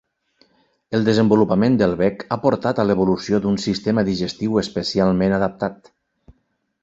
El desenvolupament del bec ha portat a l'evolució d'un sistema digestiu especialment adaptat.